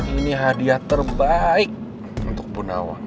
ini hadiah terbaik untuk bu nawang